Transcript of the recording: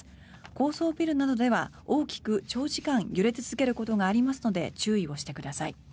高層ビルなどでは大きく長時間揺れ続けることがありますので注意をしてください。